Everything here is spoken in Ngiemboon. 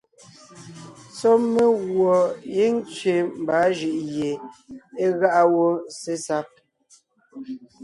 Sɔ́ meguɔ gíŋ tsẅe mbaa jʉʼ gie é gáʼa wó sesag.